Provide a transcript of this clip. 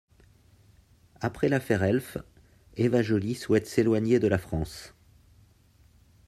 Après l'affaire Elf, Eva Joly souhaite s'éloigner de la France.